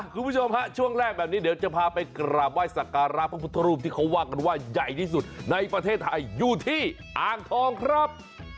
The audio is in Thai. คุณผู้ชมฮะช่วงแรกแบบนี้เดี๋ยวจะพาไปกราบไห้สักการะพระพุทธรูปที่เขาว่ากันว่าใหญ่ที่สุดในประเทศไทยอยู่ที่อ่างทองครับ